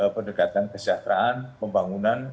pendekatan kesejahteraan pembangunan